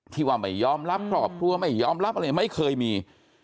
ที่ว่าไม่ยอมรับครอบครัวไม่ยอมรับอะไรไม่เคยมี